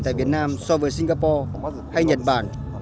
tại việt nam so với singapore hay nhật bản